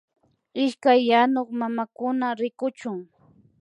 Ishkay yanuk mamakuna rikuchu